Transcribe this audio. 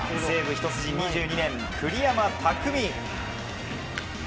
一筋２２年、栗山巧。